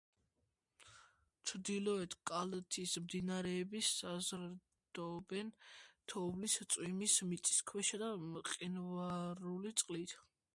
ჩრდილოეთ კალთის მდინარეები საზრდოობენ თოვლის, წვიმის, მიწისქვეშა და მყინვარული წყლით.